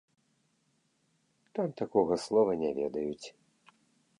Там такога слова не ведаюць.